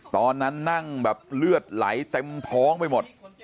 ตอนนั้นนั่งแบบเลือดไหลเต็มท้องไปหมด